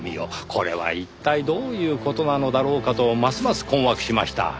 これは一体どういう事なのだろうかとますます困惑しました。